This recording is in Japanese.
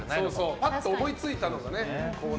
ぱっと思いついたのが。